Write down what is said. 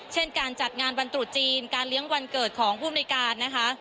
เช่นการจัดงานวันตรุษจีนการเลี้ยงวันเกิดของภูมิในการนะคะ